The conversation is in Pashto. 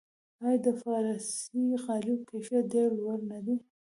آیا د فارسي غالیو کیفیت ډیر لوړ نه دی؟